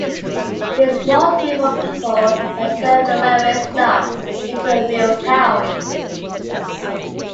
This small group of people had turned the railway stop into a real town.